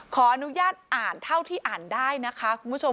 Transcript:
ขออนุญาตอ่านเท่าที่อ่านได้นะคะคุณผู้ชม